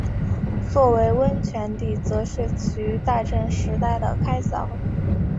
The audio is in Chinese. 作为温泉地则是起于大正时代的开凿。